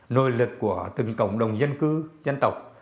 nội lực của từng cộng đồng dân cư dân tộc